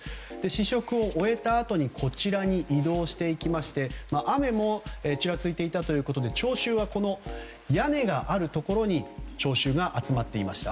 試食を終えたあと移動していきまして雨もちらついていたということで屋根があるところに聴衆が集まっていました。